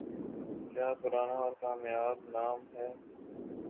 کا پرانا اور کامیاب نام ہے